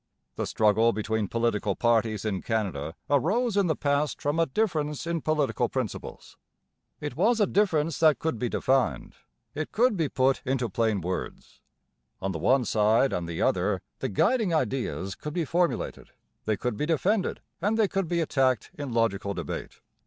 The struggle between political parties in Canada arose in the past from a difference in political principles. It was a difference that could be defined; it could be put into plain words. On the one side and the other the guiding ideas could be formulated; they could be defended and they could be attacked in logical debate.